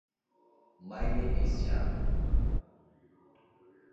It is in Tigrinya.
ኣብዚ ከባቢ'ዚ ዝኾነ ርባ ኣሎ ድዩ?